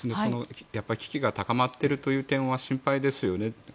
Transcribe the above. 危機が高まっている点は心配ですよね。